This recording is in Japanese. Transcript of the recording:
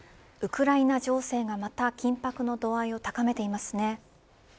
ウクライナ情勢がまた緊迫の度合いを高めていますね。